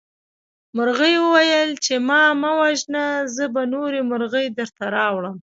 مرغۍ وویل چې ما مه وژنه زه به نورې مرغۍ درته راوړم.